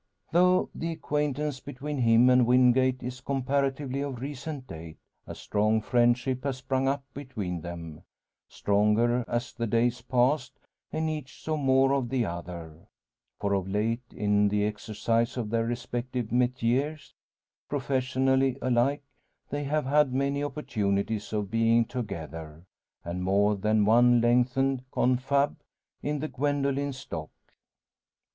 Though the acquaintance between him and Wingate is comparatively of recent date, a strong friendship has sprung up between them stronger as the days passed, and each saw more of the other. For of late, in the exercise of their respective metiers, professionally alike, they have had many opportunities of being together, and more than one lengthened "confab" in the Gwendoline's dock.